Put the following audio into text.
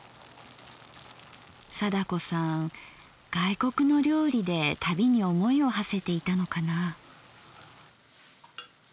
貞子さん外国の料理で旅に思いをはせていたのかなぁ。